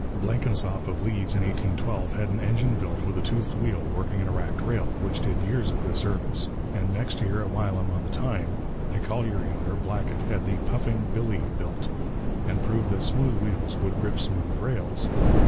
Blenkinsop of Leeds in 1812 had an engine built with a toothed wheel working in a racked rail, which did years of good service; and next year at Wylam on the Tyne a colliery owner, Blackett, had the Puffing Billy built, and proved that smooth wheels would grip smooth rails.